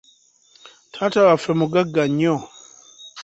Taata waffe mugagga nnyo.